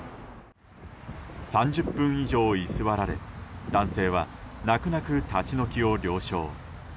３０分以上居座られ男性は泣く泣く立ち退きを了承。